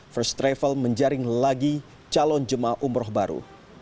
first travel menjaring lagi calon jemaah umroh baru